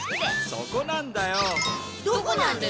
そこなんだよ。